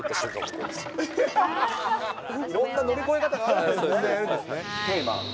いろんな乗り越え方があるんですね。